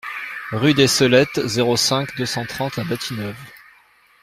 Rue des Cellettes, zéro cinq, deux cent trente La Bâtie-Neuve